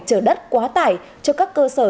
chở đất quá tải cho các cơ sở